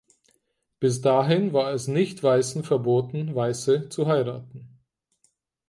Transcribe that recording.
Bis dahin war es Nicht-Weißen verboten, Weiße zu heiraten.